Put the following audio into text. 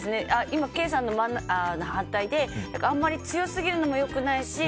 今のケイさんの反対であんまり強すぎるのも良くないし。